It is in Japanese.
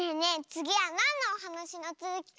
つぎはなんのおはなしのつづき